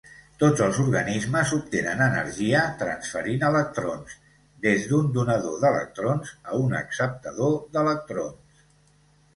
Tots els organismes obtenen energia transferint electrons des d'un donador d'electrons a un acceptador d'electrons.